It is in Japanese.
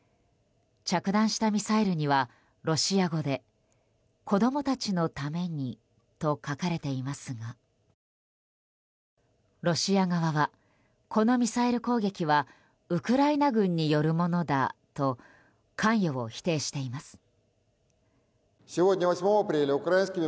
着弾したミサイルにはロシア語で子供たちのためにと書かれていますがロシア側は、このミサイル攻撃はウクライナ軍によるものだと関与を否定しています。